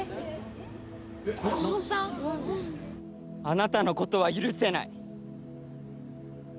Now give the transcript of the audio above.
あなたのことは許せない。